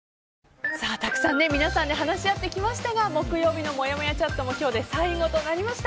たくさん皆さんで話し合ってきましたが木曜日のもやもやチャットも今日が最後となりました。